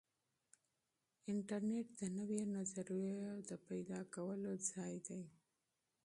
انټرنیټ د نویو نظریو د پیدا کولو ځای دی.